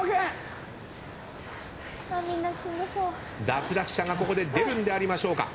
脱落者がここで出るんでありましょうか。